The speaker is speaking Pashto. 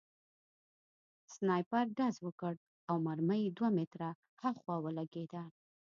سنایپر ډز وکړ او مرمۍ دوه متره هاخوا ولګېده